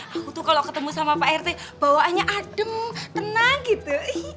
aku tuh kalau ketemu sama pak rt bawaannya adem tenang gitu